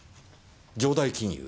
城代金融？